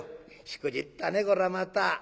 「しくじったねこらまた」。